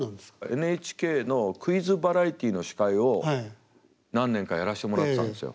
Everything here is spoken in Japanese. ＮＨＫのクイズバラエティーの司会を何年かやらせてもらってたんですよ。